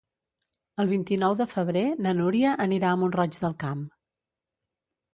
El vint-i-nou de febrer na Núria anirà a Mont-roig del Camp.